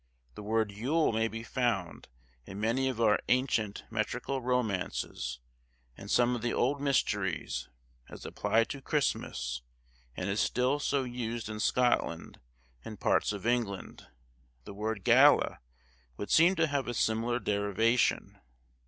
The word Yule may be found in many of our ancient metrical romances, and some of the old mysteries, as applied to Christmas, and is still so used in Scotland, and parts of England. The word Gala would seem to have a similar derivation.